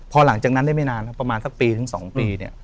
พอหลังจากนั้นได้ไม่นานครับประมาณสักปีถึง๒ปีเนี่ย